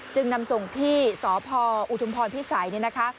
จึงนำส่งที่สพอุทุมพรพิสัยเนี่ยนะคะ